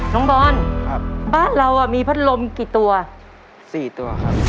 น้องบอลครับบ้านเราอ่ะมีพัดลมกี่ตัวสี่ตัวครับ